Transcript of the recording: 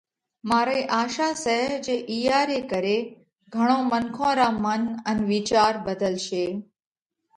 مارئِي آشا سئہ جي اِيئا ري ڪري گھڻون منکون را منَ ان وِيچار ڀڌلشي۔